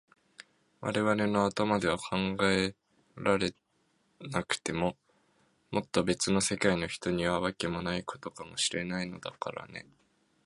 われわれの頭では考えられなくても、もっとべつの世界の人には、わけもないことかもしれないのだからね。